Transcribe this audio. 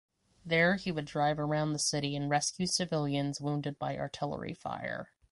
There he would drive around the city and rescue civilians wounded by artillery fire.